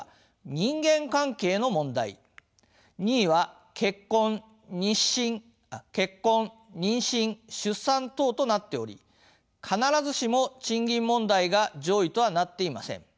２位は「結婚・妊娠・出産等」となっており必ずしも賃金問題が上位とはなっていません。